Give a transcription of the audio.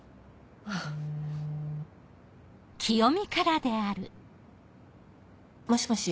あぁ。もしもし。